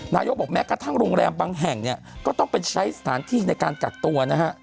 นายกบอกแม้กระทั่งโรงแรมบางแห่งเนี่ยก็ต้องไปใช้สถานที่ในการกักตัวนะฮะ